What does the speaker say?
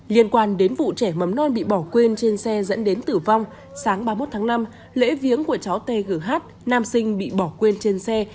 liên quan đến vụ trẻ mấm non bị bỏ quên trên xe dẫn đến tử vong sáng ba mươi một tháng năm lễ viếng của cháu t g h nam sinh bị bỏ quên trên xe